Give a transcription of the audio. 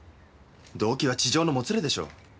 動機は痴情のもつれでしょう。